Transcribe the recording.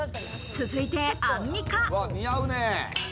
続いて、アンミカ。